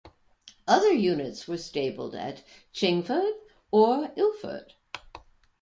Other units are stabled at Chingford or Ilford.